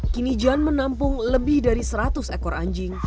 kini jan menampung lebih dari seratus ekor anjing